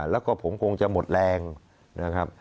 แล้วก็ผมคงจะหมดแรงนะครับ